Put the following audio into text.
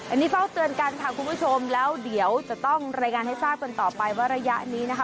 อันนี้เฝ้าเตือนกันค่ะคุณผู้ชมแล้วเดี๋ยวจะต้องรายงานให้ทราบกันต่อไปว่าระยะนี้นะคะ